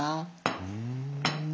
うん。